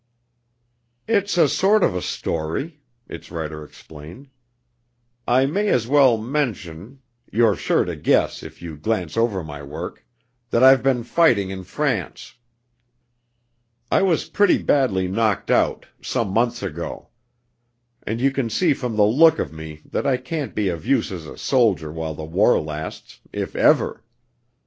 "It's a sort of a story," its writer explained. "I may as well mention you're sure to guess if you glance over my work that I've been fighting in France. I was pretty badly knocked out some months ago. And you can see from the look of me that I can't be of use as a soldier while the war lasts, if ever.